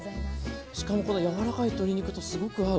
しかもこの柔らかい鶏肉とすごく合う。